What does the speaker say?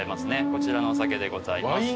こちらのお酒でございます。